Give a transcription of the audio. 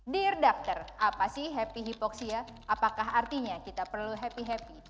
dear doctor apa sih happy hypoxia apakah artinya kita perlu happy happy